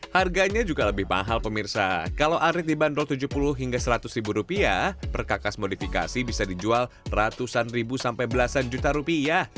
harganya juga lebih mahal pemirsa kalau arit dibanderol tujuh puluh hingga seratus ribu rupiah perkakas modifikasi bisa dijual ratusan ribu sampai belasan juta rupiah